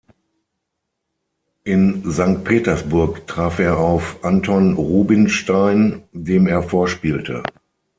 In Sankt Petersburg traf er auf Anton Rubinstein, dem er vorspielte.